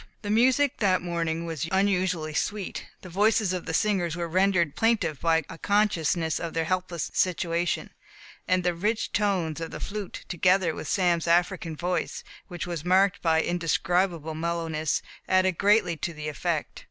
The music that morning was unusually sweet. The voices of the singers were rendered plaintive by a consciousness of their helpless situation; and the rich tones of the flute, together with Sam's African voice, which was marked by indescribable mellowness, added greatly to the effect.